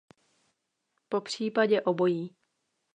Popřípadě obojí.